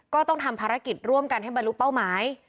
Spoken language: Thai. ก็ต้องทำภารกิจร่วมกันให้บรรลุเป้าหมาย